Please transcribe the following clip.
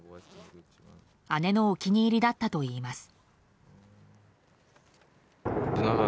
姉のお気に入りだったといいます。